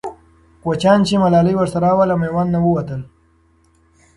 کوچیان چې ملالۍ ورسره وه، له میوند نه ووتل.